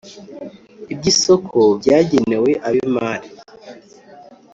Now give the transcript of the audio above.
Iby'isoko byagenewe ab'imari